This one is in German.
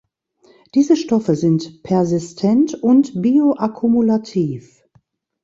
Diese Stoffe sind persistent und bioakkumulativ.